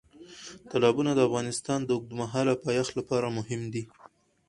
تالابونه د افغانستان د اوږدمهاله پایښت لپاره مهم دي.